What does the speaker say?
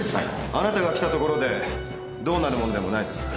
あなたが来たところでどうなるものでもないですから。